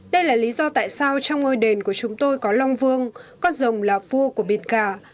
đây là lý do tại sao trong ngôi đền của chúng tôi có long vương con rồng là vua của biển cả